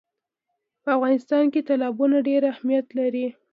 په افغانستان کې تالابونه ډېر اهمیت لري.